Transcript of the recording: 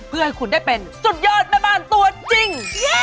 เพื่อให้คุณได้เป็นสุดยอดแม่บ้านตัวจริง